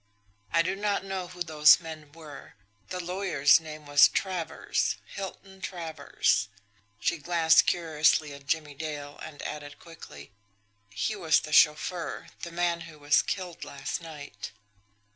I do not know who those men were. The lawyer's name was Travers, Hilton Travers." She glanced curiously at Jimmie Dale, and added quickly: "He was the chauffeur the man who was killed last night."